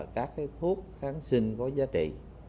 các cái thuốc kháng sinh có giá trị